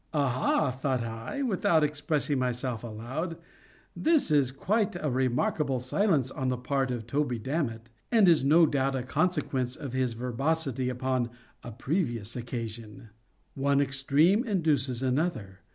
"Aha!" thought I, without expressing myself aloud—"this is quite a remarkable silence on the part of Toby Dammit, and is no doubt a consequence of his verbosity upon a previous occasion. One extreme induces another.